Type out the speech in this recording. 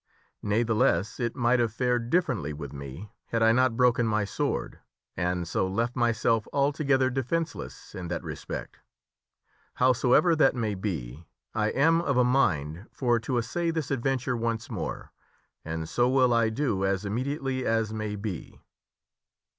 Ne'theless, it might have fared differently with me had I not broken my sword, and so left myself alto gether defenceless in that respect. Howsoever that may be, I am of a mind for to assay this adventure once more, and so will I do as immediately as may be."